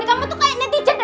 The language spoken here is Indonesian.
ya ya lah dah